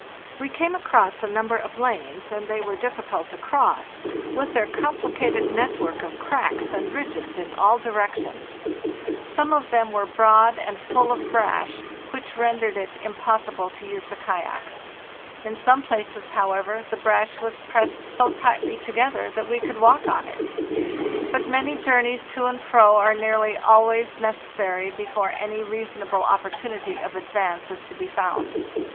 We came across a number of lanes, and they were diffh cult to cross, with their complicated net work of cracks and ridges in all directions. Some of them were broad FARTHEST NORTH i) eal O and full of brash, which rendered it impossible to use the kayaks. In some places, however, the brash was pressed so tightly together that we could walk on it. But many journeys to and fro are nearly always nec essary before any reasonable opportunity of advance is to be found.